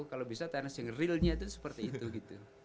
kalau bisa tenis yang realnya itu seperti itu gitu